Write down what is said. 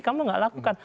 kamu gak lakukan